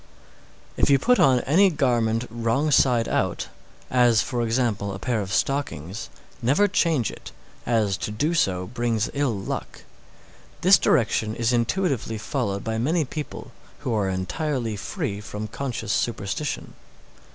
622. If you put on any garment wrong side out, as, for example, a pair of stockings, never change it, as to do so brings ill luck. This direction is intuitively followed by many people who are entirely free from conscious superstition.